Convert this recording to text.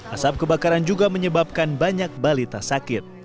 asap kebakaran juga menyebabkan banyak balita sakit